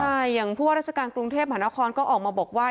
ใช่อย่างผู้ว่าราชการกรุงเทพมหานครก็ออกมาบอกว่า